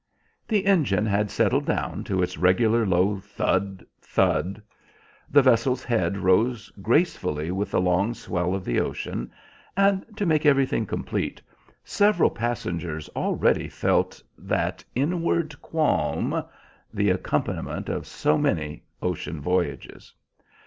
The engine had settled down to its regular low thud, thud; the vessel's head rose gracefully with the long swell of the ocean, and, to make everything complete, several passengers already felt that inward qualm—the accompaniment of so many ocean voyages.